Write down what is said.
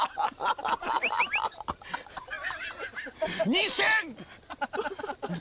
２０００！